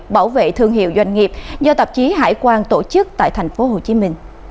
bảo vệ thương hiệu doanh nghiệp do tạp chí hải quan tổ chức tại tp hcm